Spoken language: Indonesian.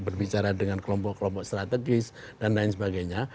berbicara dengan kelompok kelompok strategis dan lain sebagainya